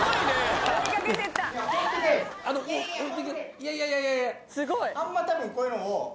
いやいやいやいや。